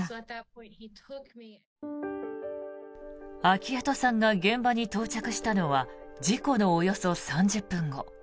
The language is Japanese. アキヤトさんが現場に到着したのは事故のおよそ３０分後。